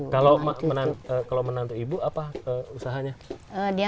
kalau kalau menantu ibu apa usahanya dia